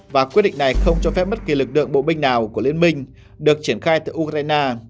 và quyết định này không cho phép bất kỳ lực lượng bộ binh nào của liên minh được triển khai từ ukraine